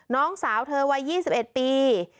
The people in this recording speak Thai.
น้องสาวเธอวัย๒๑ปี